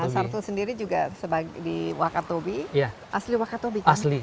sarto sendiri juga di wakatobi asli wakatobi kan